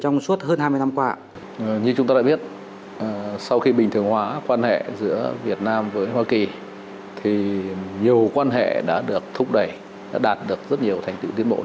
như chúng ta đã biết sau khi bình thường hóa quan hệ giữa việt nam với hoa kỳ thì nhiều quan hệ đã được thúc đẩy đã đạt được rất nhiều thành tựu tiến bộ